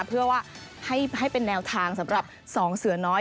เพื่อว่าให้เป็นแนวทางสำหรับ๒เสือน้อย